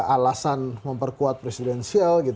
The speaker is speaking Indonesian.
alasan memperkuat presidensial